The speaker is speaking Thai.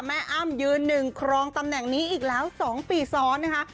แม่อ้ามยืน๑ครองตำแหน่งนี้อีกแล้ว๒ปีซ้อนนะคะ